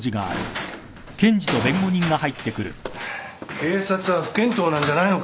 ・警察は不見当なんじゃないのか？